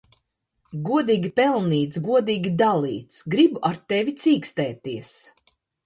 Godīgi pelnīts, godīgi dalīts. Gribu ar tevi cīkstēties.